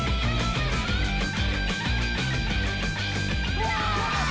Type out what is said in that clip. うわ！